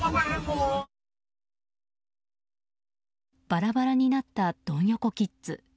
バラバラになったドン横キッズ。